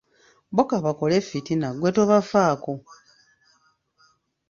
Bo ka bakole effitina ggwe tobafaako.